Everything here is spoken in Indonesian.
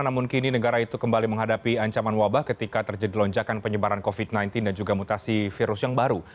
namun kini negara itu kembali menghadapi ancaman wabah ketika terjadi lonjakan penyebaran covid sembilan belas dan juga mutasi virus yang baru